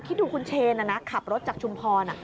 คิดดูคุณเชนขับรถจากชุมพร